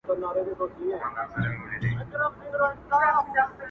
نه خمار مي د چا مات کړ، نه نشې مي کړلې مستې؛